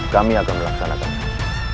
kami akan melaksanakannya